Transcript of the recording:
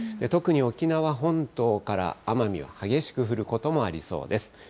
特に沖縄本島から奄美は、激しく降ることもありそうです。